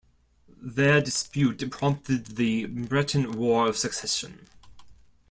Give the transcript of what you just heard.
Their dispute prompted the Breton War of Succession.